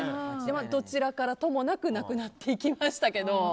どちらからともなくなくなっていきましたけど。